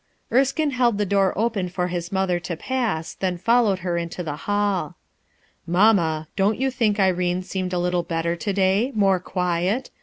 Er^kine held the door open for his mother to pass, then followed her into the hall, "Mamma, don't you think Irene has Eeemcd a little better to day, more quiet?